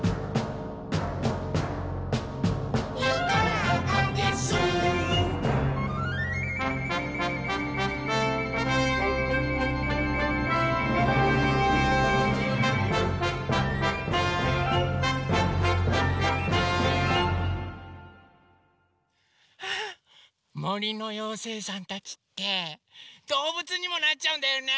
「いかがです」ああもりのようせいさんたちってどうぶつにもなっちゃうんだよね！